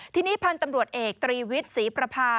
ทีนี้พันธุ์ตำรวจเอกตรีวิทย์ศรีประพา